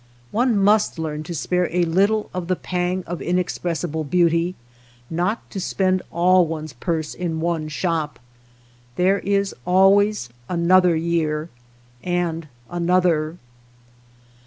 One must learn to spare a little of the pang of inexpressible beauty, not to spend all one's purse in one shop. There is always another year, and another.